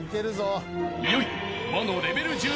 ［いよいよ］